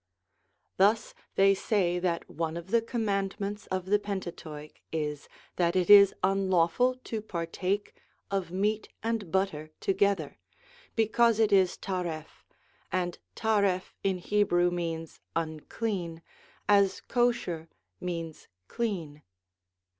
Thus they say that one of the command ments of the Pentateuch is that it is unlawful to partake of meat and butter together, because it is 1 ' taref,' and ' taref ' in Hebrew means unclean, as * kosher ' means clean.